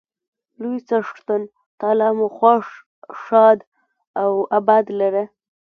لوی څښتن تعالی مو خوښ، ښاد او اباد لره.